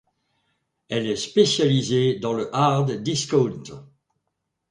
Elle est spécialisée dans le hard-discount.